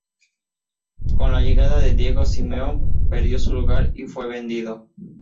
Con la llegada de Diego Simeone, perdió su lugar y fue vendido.